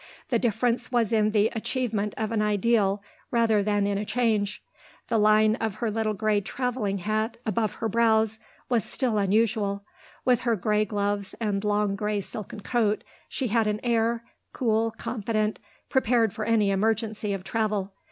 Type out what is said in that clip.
The difference was in the achievement of an ideal rather than in a change. The line of her little grey travelling hat above her brows was still unusual; with her grey gloves and long grey silken coat she had an air, cool, competent, prepared for any emergency of travel.